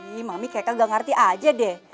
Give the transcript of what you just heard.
ih mami kayaknya nggak ngerti aja deh